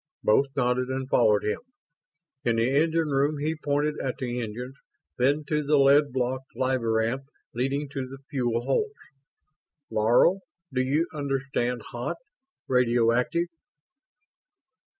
Both nodded and followed him. In the engine room he pointed at the engines, then to the lead blocked labyrinth leading to the fuel holds. "Laro, do you understand 'hot'? Radioactive?"